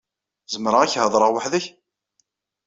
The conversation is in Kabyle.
Zemreɣ ad ak-heḍṛeɣ weḥd-k?